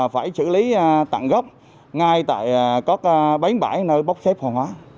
phải xử lý tặng góp ngay tại các bánh bãi nơi bốc xếp hòa hóa